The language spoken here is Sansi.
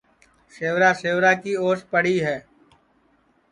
سیورا سیورا کی اوس پڑی ہے